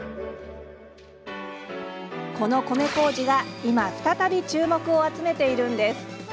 この米こうじが今再び注目を集めているんです。